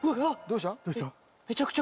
どうした？